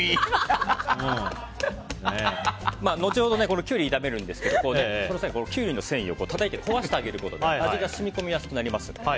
後ほどキュウリを炒めるんですけどその際、キュウリの繊維をたたいて壊してあげることで味が染み込みやすくなります。